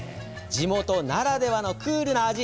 地元ならではのクールな味